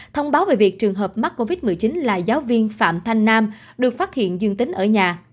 thông báo về việc trường hợp mắc covid một mươi chín là giáo viên phạm thanh nam được phát hiện dương tính ở nhà